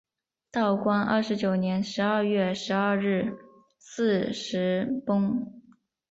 道光二十九年十二月十二日巳时崩。